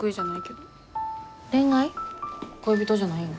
恋人じゃないん？